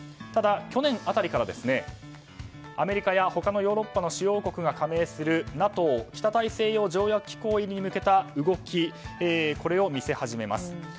ただ、去年辺りからアメリカや他のヨーロッパの主要国が加盟するＮＡＴＯ・北大西洋条約機構入りに向けた動きを見せ始めます。